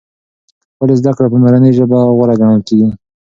ولې زده کړه په مورنۍ ژبه غوره ګڼل کېږي؟